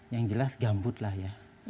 yang jelas gambut lah ya